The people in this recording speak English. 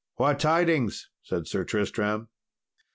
"What tidings?" said Sir Tristram.